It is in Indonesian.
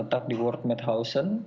tentak di world medhausen